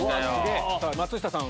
松下さん